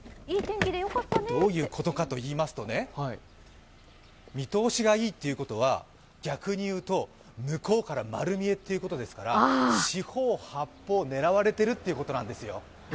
どういうことかといいますとね見通しがいいということは逆に言うと向こうから丸見えということですから四方八方、狙われてるっていうことなんですよ。